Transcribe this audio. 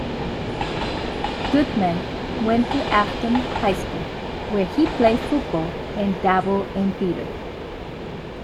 Goodman went to Affton High School, where he played football and dabbled in theater.